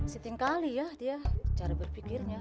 siting kali ya dia cara berpikirnya